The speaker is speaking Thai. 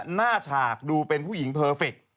หน้าฉากดูเป็นผู้หญิงเภอเฟค